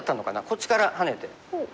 こっちからハネて。